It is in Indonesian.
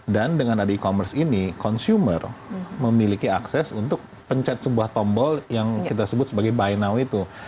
dan dengan ada e commerce ini consumer memiliki akses untuk pencet sebuah tombol yang kita sebut sebagai buy now itu